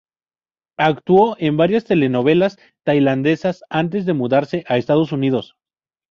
Actuó en varias telenovelas tailandesas antes de mudarse a Estados Unidos.